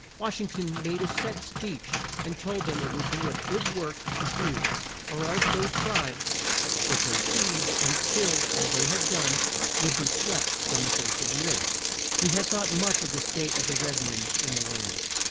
Wash ing ton made a set speech and told them it would be a good work to do, or else those tribes, "if they thieved and killed as they had done, would be swept from the face of the earth." He had thought much of the state of the red men in the land.